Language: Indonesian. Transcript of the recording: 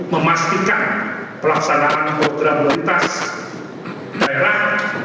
memastikan pelaksanaan program lintas daerah